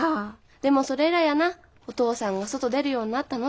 でもそれ以来やなお父さんが外出るようになったのって。